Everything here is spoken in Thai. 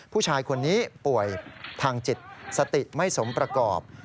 ผู้ชายคนนี้ป่วยทางจิตสติไม่สมประกอบ